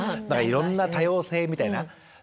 いろんな多様性みたいな。